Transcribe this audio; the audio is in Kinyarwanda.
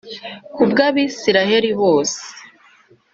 Ku bw abisirayeli bose